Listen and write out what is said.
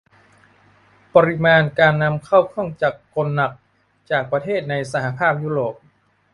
ปริมาณการนำเข้าเครื่องจักรกลหนักจากประเทศในสหภาพยุโรป